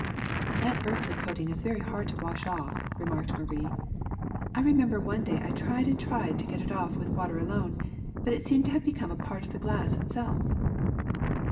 ^' ^^That earthy coating is very hard to wash off,'* remarked Marie. ^'I remember one day I tried and tried to get it off with water alone, but it seemed to have become a part of the glass itself.''